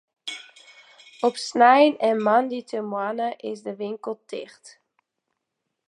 Op snein en moandeitemoarn is de winkel ticht.